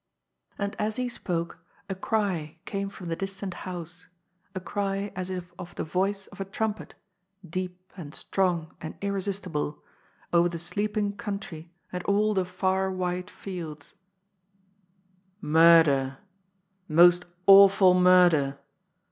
And as he spoke a cry came from the distant hoase, a cry as if of the voice of a trumpet, deep and strong and irre sistihle, over the sleeping country and all the far white fields : "Murder! most awful murder!